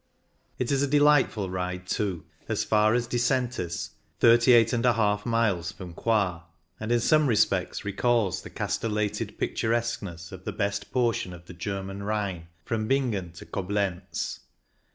It is a delightful ride, too, as far as Disen tis, 38^ miles from Coire, and in some respects recalls the castellated picturesque ness of the best portion of the German Rhine, from Bingen to Coblenz.